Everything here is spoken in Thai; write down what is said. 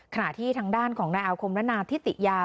ขณะที่ทางด้านของนายอาคมนาทิติยา